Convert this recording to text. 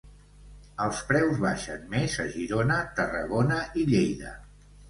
Els preus baixen més a Girona, Tarragona i Lleida.